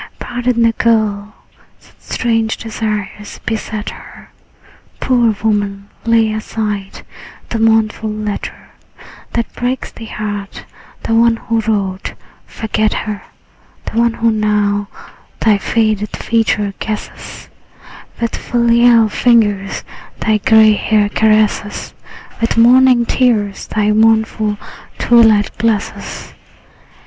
Pardon the girl; such strange desires beset her. Poor woman, lay aside the mournful letter That breaks thy heart; the one who wrote, forget her: The one who now thy faded features guesses, With filial fingers thy gray hair caresses, With morning tears thy mournful twilight blesses.